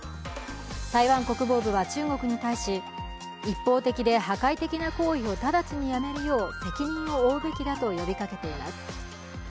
台湾国防部は中国に対し、一方的で破壊的な行為を直ちにやめるよう責任を負うべきだと呼びかけています。